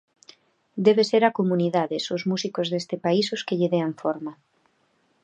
Debe ser a comunidades, os músicos deste país os que lle dean forma.